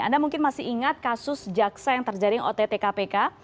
anda mungkin masih ingat kasus jaksa yang terjaring ott kpk